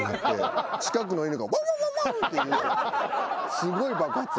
すごい爆発や。